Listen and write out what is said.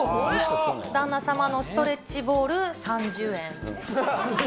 旦那様のストレッチボール３０円。